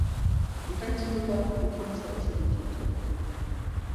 এটাই ছিল তার প্রথম সরাসরি যুদ্ধ।